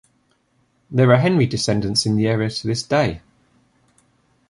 There are Henry descendants in the area to this day.